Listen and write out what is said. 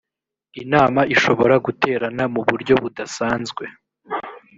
inama ishobora guterana mu buryo budasanzwe